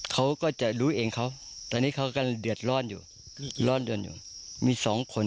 เขาก็จะรู้เองเขาตอนนี้เขาก็เดือดร้อนอยู่ร้อนเดือนอยู่มีสองคน